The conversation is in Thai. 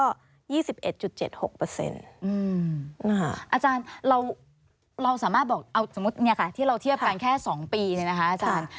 อาจารย์เราสามารถบอกเอาสมมุติที่เราเทียบกันแค่๒ปีเนี่ยนะคะอาจารย์